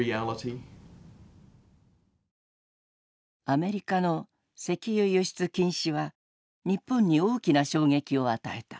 アメリカの石油輸出禁止は日本に大きな衝撃を与えた。